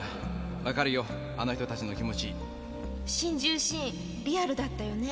わかるよあの人たちの気持ち」「心中シーンリアルだったよね。